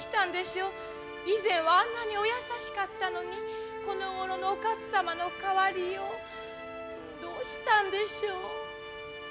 以前はあんなにお優しかったのにこのごろのお勝様の変わりようどうしたんでしょう。